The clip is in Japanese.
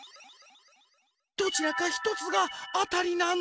どちらかひとつがあたりなの。